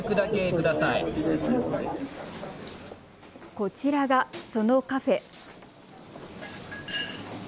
こちらが、そのカフェ。